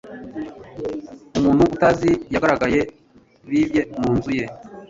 Umuntu utazi yagaragaye yibye mu nzu ye.